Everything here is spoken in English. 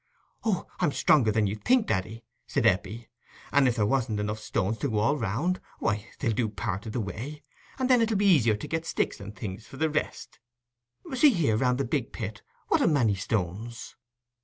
"Oh, I'm stronger than you think, daddy," said Eppie; "and if there wasn't stones enough to go all round, why they'll go part o' the way, and then it'll be easier to get sticks and things for the rest. See here, round the big pit, what a many stones!"